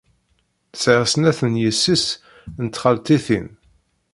Sɛiɣ snat n yessi-s n txaltitin.